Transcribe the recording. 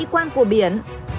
cảnh quan của biển